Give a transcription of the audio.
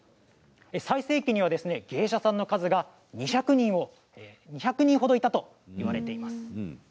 最盛期には芸者さんの数が２００人ほどいたと言われています。